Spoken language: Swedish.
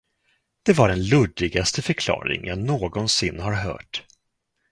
Det var den luddigaste förklaring jag någonsin har hört.